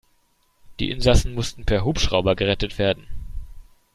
Die Insassen mussten per Hubschrauber gerettet werden.